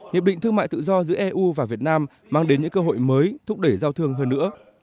hiệp định thương mại tự do giữa eu và việt nam mang đến những cơ hội mới thúc đẩy giao thương hơn nữa